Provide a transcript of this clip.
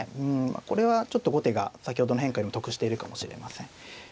これはちょっと後手が先ほどの変化よりも得しているかもしれません。